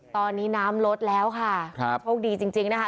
ตอนนี้น้ำลดแล้วค่ะครับโชคดีจริงจริงนะคะ